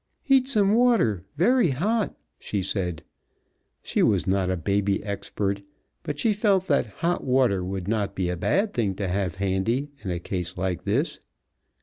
"Heat some water; very hot!" she said. She was not a baby expert, but she felt that hot water would not be a bad thing to have handy in a case like this.